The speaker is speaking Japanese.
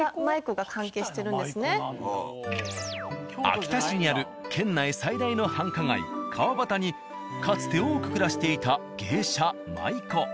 秋田市にある県内最大の繁華街川反にかつて多く暮らしていた芸者・舞妓。